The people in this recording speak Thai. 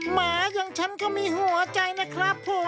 หมาอย่างฉันก็มีหัวใจนะครับ